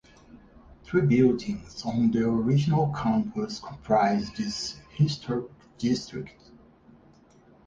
Three buildings on the original campus comprise this historic district.